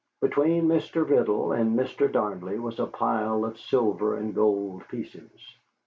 Between Mr. Riddle and Mr. Darnley was a pile of silver and gold pieces.